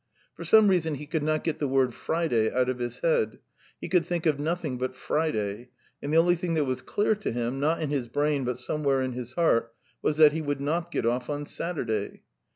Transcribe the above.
..." For some reason he could not get the word "Friday" out of his head; he could think of nothing but Friday, and the only thing that was clear to him, not in his brain but somewhere in his heart, was that he would not get off on Saturday.